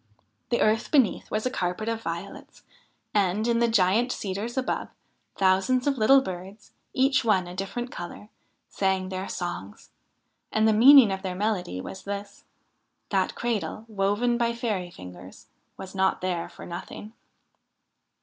The earth beneath was a carpet of violets, and, in the giant cedars above, thousands of little birds, each one a different colour, sang their songs ; and the meaning of their melody was this : that cradle, woven by fairy fingers, was not there for nothing.